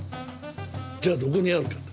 じゃあどこにあるかと。